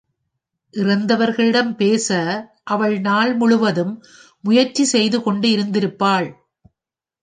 இறந்தவர்களிடம் பேச அவள் நாள் முழுவதும் முயற்சி செய்துகொண்டு இருந்திருப்பாள்.